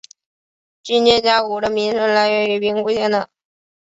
军舰加古的名称来源于兵库县的。